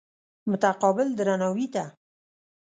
متقابل درناوي ته.